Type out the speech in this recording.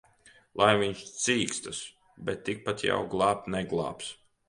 Lai viņš cīkstas! Bet tikpat jau glābt neglābs.